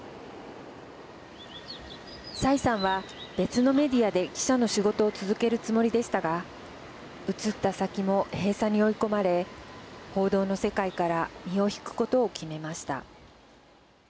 蔡さんは別のメディアで、記者の仕事を続けるつもりでしたが移った先も閉鎖に追い込まれ報道の世界から身を引くことを決めました。